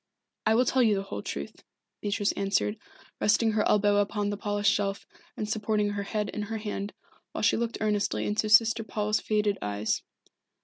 "I will tell you the whole truth," Beatrice answered, resting her elbow upon the polished shelf and supporting her head in her hand, while she looked earnestly into Sister Paul's faded eyes.